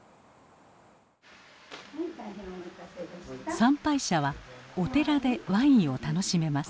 参拝者はお寺でワインを楽しめます。